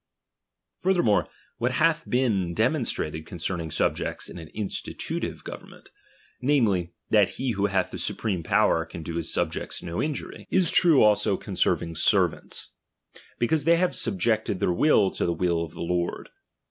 Furthermore, what hath before been demon ^^l"^"!;! ^trated concerning subjects in an institutive go t"'"'"*' vernment, namely, that he who hath the supreme power can do his subject no injury ; ia true also I I I 112 DOMINION. ciiAP. vm. concerning serimnts, because they have subjected their will to the will of the Lord.